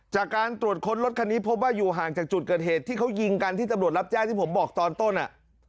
จากการตรวจค้นรถคันนี้พบว่าอยู่ห่างจากจุดเกิดเหตุที่เขายิงกันที่ตำรวจรับแจ้งที่ผมบอกตอนต้นอ่ะ